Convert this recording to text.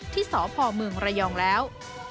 ที่สพเมืองระยองแล้ว